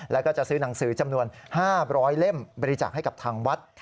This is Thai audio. แล้วก็จะซื้อหนังสือจำนวน๕๐๐เล่มบริจาคให้กับทางวัด